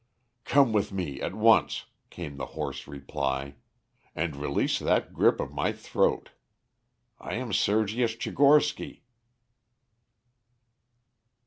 "Come with me at once," came the hoarse reply. "And release that grip of my throat. I am Sergius Tchigorsky."